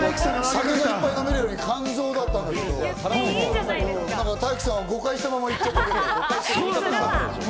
酒がいっぱい飲めるように肝臓だったんだけど、体育さんは誤解したまま行っちゃった。